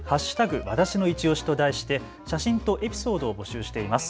わたしのいちオシと題して写真とエピソードを募集しています。